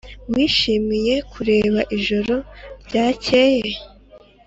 wishimiye kureba ijoro ryakeye?